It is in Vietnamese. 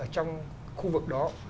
trong khu vực đó